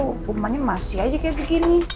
hukumannya masih aja kayak begini